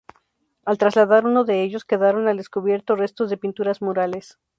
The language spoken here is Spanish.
Al trasladar uno de ellos quedaron al descubierto restos de pinturas murales.